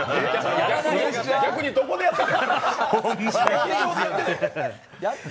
逆にどこでやってたん？